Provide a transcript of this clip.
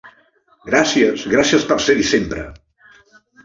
Gràcies, gràcies per ser-hi sempre!